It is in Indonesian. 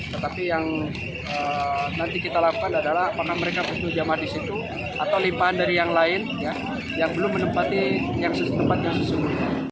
tetapi yang nanti kita lakukan adalah apakah mereka butuh jamaah di situ atau limpahan dari yang lain yang belum menempati tempat yang sesungguhnya